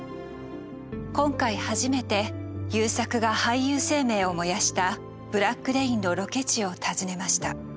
今回初めて優作が俳優生命を燃やした「ブラック・レイン」のロケ地を訪ねました。